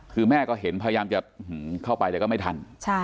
คือแม่ก็เห็นพยายามจะเข้าไปแต่ก็ไม่ทัน